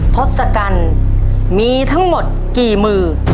ทศกัณฐ์มีทั้งหมดกี่มือ